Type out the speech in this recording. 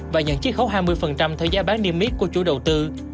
và nhận triết khấu hai mươi theo giá bán niêm mít của chủ đầu tư